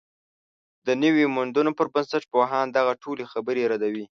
د نویو موندنو پر بنسټ، پوهان دغه ټولې خبرې ردوي